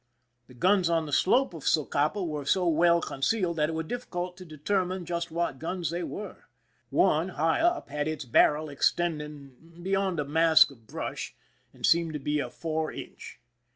The guns on the slope of Socapa were so well con cealed that it was difficult to determine just what guns they were. One, high up, had its barrel extending beyond a mask of brush, and seemed to be a four inch.